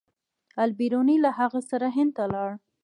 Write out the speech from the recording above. البیروني له هغه سره هند ته لاړ.